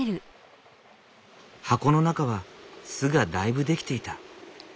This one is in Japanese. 箱の中は巣がだいぶ出来ていた。